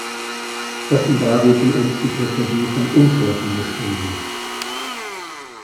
Offenbar wird die Enzyklopädie von Untoten geschrieben.